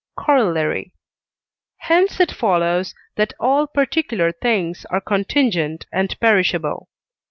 Corollary. Hence it follows that all particular things are contingent and perishable.